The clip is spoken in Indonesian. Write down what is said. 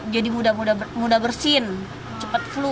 jadi mudah bersin cepat flu